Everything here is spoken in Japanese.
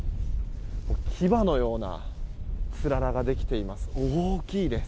牙のようなつららができています。